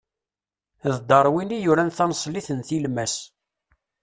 D Darwin i yuran taneṣlit n tilmas.